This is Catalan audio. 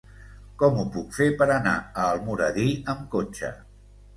Com ho puc fer per anar a Almoradí amb cotxe?